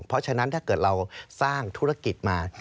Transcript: เพราะฉะนั้นถ้าเกิดเราสร้างธุรกิจมา